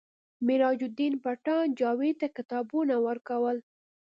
میراج الدین پټان جاوید ته کتابونه ورکول